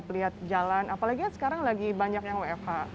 melihat jalan apalagi sekarang lagi banyak yang wfh